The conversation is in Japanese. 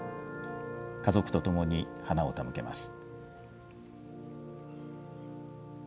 家族と共に花を手向けます。